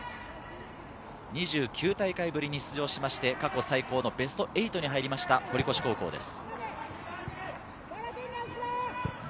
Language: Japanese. ２９大会ぶりに出場しまして、過去最高のベスト８に入りました、堀越高校です。